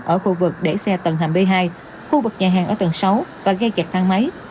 ở khu vực để xe tầng hầm b hai khu vực nhà hàng ở tầng sáu và gây kẹt thang máy